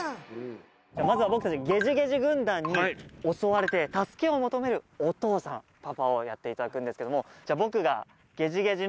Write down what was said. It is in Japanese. じゃまずは僕たちゲジゲジ軍団に襲われて助けを求めるお父さんパパをやっていただくんですけど。